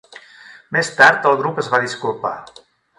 Més tard, el grup es va disculpar.